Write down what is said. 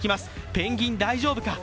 ペンギン、大丈夫か？